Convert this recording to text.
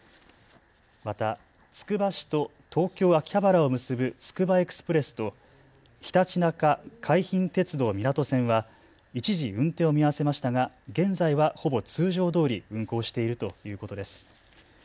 また、つくば市と東京秋葉原を結ぶつくばエクスプレスとひたちなか海浜鉄道湊線は一時、運転を見合わせましたが現在はほぼ通常どおり運行しているということです。